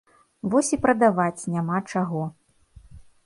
Вось і прадаваць няма чаго.